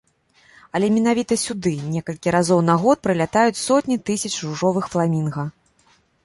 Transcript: Але менавіта сюды некалькі разоў на год прылятаюць сотні тысяч ружовых фламінга.